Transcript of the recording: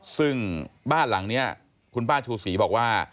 ซึ่งบ้านหลังนี้คุณป้าชูศรีบอกว่า